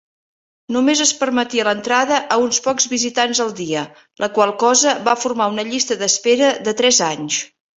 Només es permetia l'entrada a uns pocs visitants al dia, la qual cosa va formar una llista d'espera de tres anys.